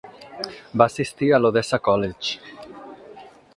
Va assistir a l'Odessa College.